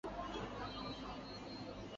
两个种族就这么保持松散的关系许多年。